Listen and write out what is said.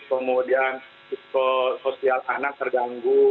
kemudian sosial anak terganggu